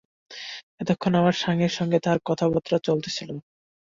এতক্ষণ আমার স্বামীর সঙ্গে তাঁহার কথাবার্তা চলিতেছিল।